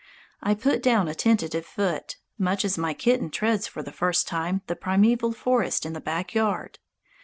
I put down a tentative foot, much as my kitten treads for the first time the primeval forest in the backyard.